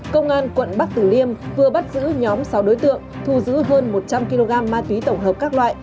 công an quận bắc tử liêm vừa bắt giữ nhóm sáu đối tượng thu giữ hơn một trăm linh kg ma túy tổng hợp các loại